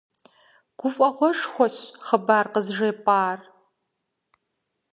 Гуфӏэгъуэшхуэщ хъыбар къызжепӏар.